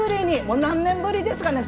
もう何年ぶりですかね